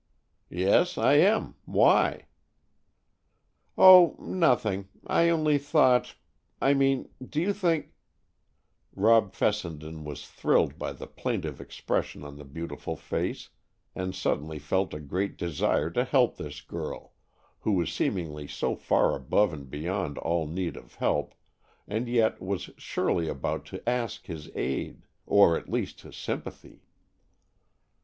"Yes, I am. Why?" "Oh, nothing; I only thought—I mean, do you think——" Rob Fessenden was thrilled by the plaintive expression on the beautiful face, and suddenly felt a great desire to help this girl, who was seemingly so far above and beyond all need of help, and yet was surely about to ask his aid, or at least his sympathy.